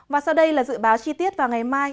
và sau đây là dự báo chi tiết vào ngày mai